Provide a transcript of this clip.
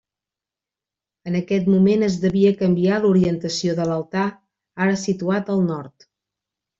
En aquest moment es devia canviar l'orientació de l'altar, ara situat al nord.